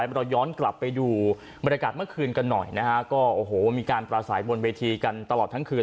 เราย้อนกลับไปดูบรรยากาศเมื่อคืนกันหน่อยนะฮะก็โอ้โหมีการปราศัยบนเวทีกันตลอดทั้งคืน